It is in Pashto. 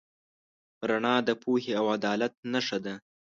رڼا د پوهې او عدالت نښه ده.